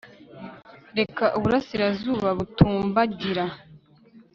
Reka Uburasirazuba butumbagira